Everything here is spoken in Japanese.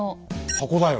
箱だよ。